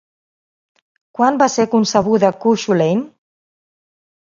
Quan va ser concebuda Cú Chulainn?